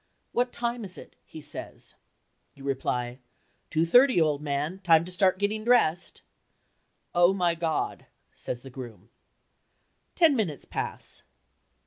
"What time is it?" he says. You reply, "Two thirty, old man. Time to start getting dressed." "Oh, my God!" says the groom. Ten minutes pass.